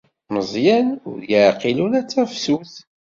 Meẓẓyan ur yeɛqil ula d Tafsut.